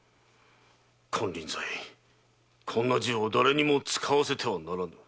金輪際こんな銃を誰にも使わせてはならん！